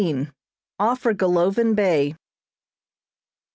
OFF FOR GOLOVIN BAY.